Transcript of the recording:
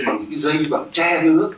những cái dây bằng che nứa